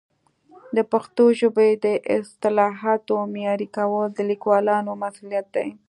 د پښتو ژبې د اصطلاحاتو معیاري کول د لیکوالانو مسؤلیت دی.